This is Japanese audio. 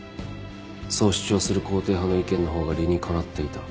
そう主張する肯定派の意見の方が理にかなっていた。